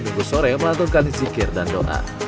minggu sore melantunkan zikir dan doa